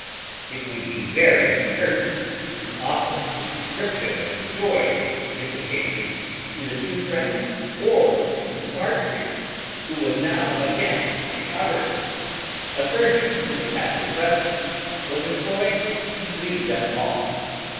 It would be very impertinent to offer at a description of the joy this occasioned to the two friends, or to Mrs. Heartfree, who was now again recovered. A surgeon, who was happily present, was employed to bleed them all.